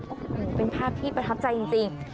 โอ้โหเป็นภาพที่ประทับใจจริง